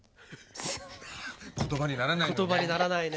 言葉にならないのね。